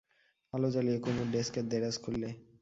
আলো জ্বালিয়ে কুমুর ডেস্কের দেরাজ খুললে।